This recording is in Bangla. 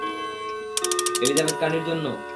এলিজাবেথ কার্নির জন্য?